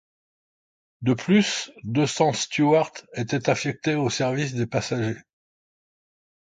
De plus, deux cents stewards étaient affectés au service des passagers.